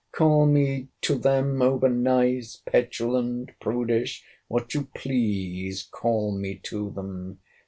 Call me to them over nice, petulant, prudish—what you please call me to them.